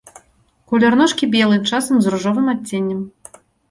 Колер ножкі белы, часам з ружовым адценнем.